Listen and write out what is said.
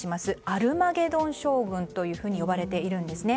アルマゲドン将軍と呼ばれているんです。